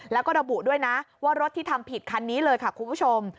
แล้วก็ระบุด้วยนะว่ารถที่ทำผิดคันนี้เลยค่ะคุณผู้ชม